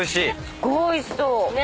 すごいおいしそう。